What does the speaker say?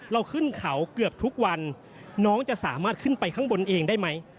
เราขึ้นเขาเกือบทุกวันน้องจะสามารถขึ้นไปข้างบนเองได้ไหม